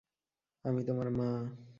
আমি তোমার মা!